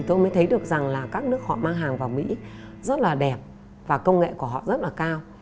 tôi mới thấy được rằng là các nước họ mang hàng vào mỹ rất là đẹp và công nghệ của họ rất là cao